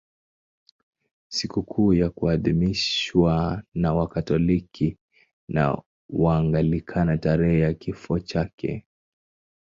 Sikukuu yake huadhimishwa na Wakatoliki na Waanglikana tarehe ya kifo chake.